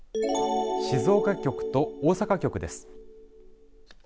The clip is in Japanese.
静岡局と大阪局です。